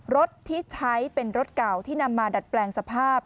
รถที่ใช้เป็นรถเก่าที่นำมาดัดแปลงสภาพ